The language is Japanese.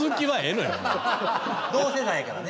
同世代やからね。